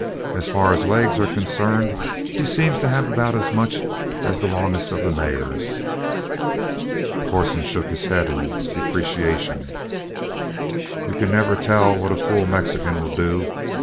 "As far as legs are concerned, he seems to have about as much as the longest of the mares." Corson shook his head in depreciation. "You never can tell what a fool Mexican will do.